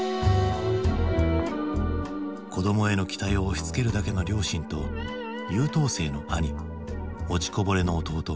子どもへの期待を押しつけるだけの両親と優等生の兄落ちこぼれの弟。